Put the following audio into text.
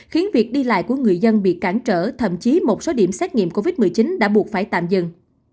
khiến việc đi lại của người dân bị cản trở thậm chí một số điểm xét nghiệm covid một mươi chín đã buộc phải tạm dừng